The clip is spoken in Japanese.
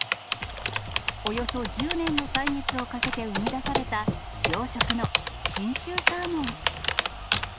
およそ１０年の歳月をかけて生み出された養殖の信州サーモン。